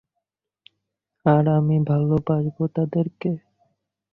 আর আমি ভালোবাসবো তাদেরকে।